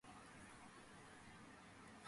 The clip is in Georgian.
ზურგზე გრძელი ფაფარი მოსასხამს მოგვაგონებს.